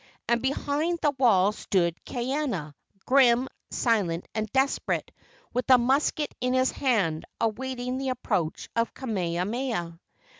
And behind the wall stood Kaiana, grim, silent and desperate, with a musket in his hand, awaiting the approach of Kamehameha.